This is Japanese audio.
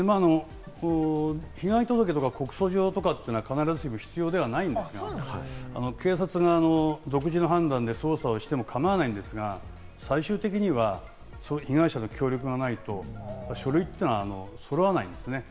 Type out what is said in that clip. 被害届や告訴状は必ずしも必要ではないんですけれども、警察が独自の判断で捜査しても構わないんですが、最終的には被害者の協力がないと書類というのが揃わないんですね。